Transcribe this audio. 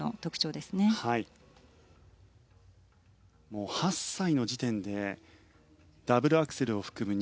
もう８歳の時点でダブルアクセルを含む